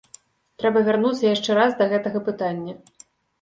Трэба вярнуцца яшчэ раз да гэтага пытання.